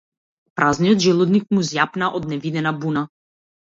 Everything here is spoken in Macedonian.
Празниот желудник му зјапна од невидена буна.